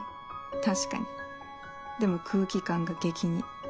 確かにでも空気感が激似。